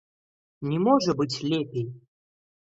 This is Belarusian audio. Не можа быць лепей!